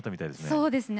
そうですね。